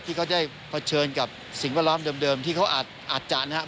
ที่เขาได้เผชิญกับสิ่งแวดล้อมเดิมที่เขาอาจจะนะครับ